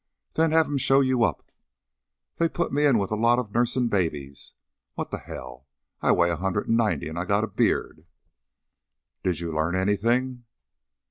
_' Then have him show you up. They put me in with a lot of nursin' babes. What the hell? I weigh a hundred and ninety and I got a beard!" "Didn't you learn anything?"